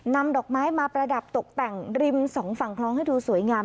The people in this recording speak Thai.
นำดอกไม้มาประดับตกแต่งริมสองฝั่งคลองให้ดูสวยงาม